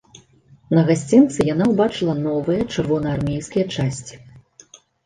На гасцінцы яна ўбачыла новыя чырвонаармейскія часці.